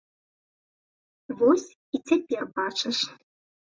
Вось, і цяпер бачыш.